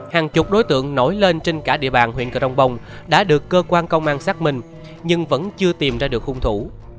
hàng chục đối tượng nổi lên trên cả địa bàn huyện cờ rông bông đã được cơ quan công an xác minh nhưng vẫn chưa tìm ra được hung thủ